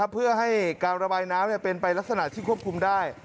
เพื่อให้การระบายน้ำเป็นไปลักษณะที่ควบคุมได้